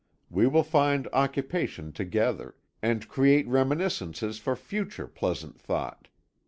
We will find occupation together, and create reminiscences for future pleasant thought.